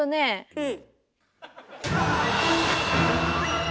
うん。